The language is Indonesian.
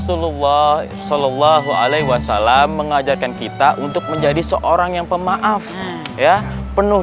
rasulullah shallallahu alaihi wasallam mengajarkan kita untuk menjadi seorang yang pemaaf ya penuh